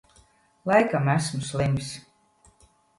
Laikam esmu slims.